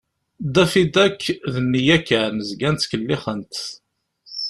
Daffy Duck d nneyya kan, zgan ttkellixen-t.